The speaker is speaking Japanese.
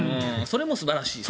それも素晴らしい。